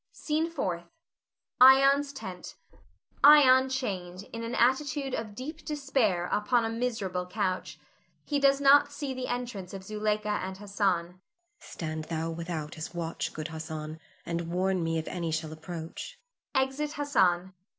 SCENE FOURTH. [Ion's tent. Ion chained, in an attitude of deep despair, upon a miserable couch. He does not see the entrance of Zuleika and Hassan.] Zuleika. Stand thou without as watch, good Hassan, and warn me if any shall approach. [Exit Hassan.